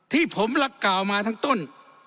ที่ผมรักกล่าวมาทั้งต้น